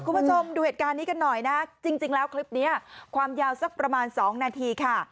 คุณผู้ชมดูเหตุการณ์นี้กันหน่อยนะจริงแล้วคลิปนี้ความยาวสักประมาณ๒นาทีค่ะ